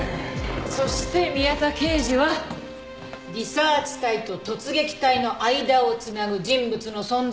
そして宮田刑事はリサーチ隊と突撃隊の間を繋ぐ人物の存在を突き止めた。